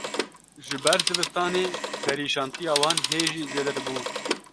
Ji ber zivistanê perîşantiya wan hê jî zêde dibû